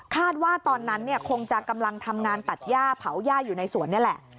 ว่าตอนนั้นคงจะกำลังทำงานตัดย่าเผาย่าอยู่ในสวนนี่แหละ